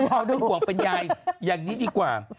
ผู้ชายนังก็มีผ่องเป็นยายอย่างนี้ดีกว่า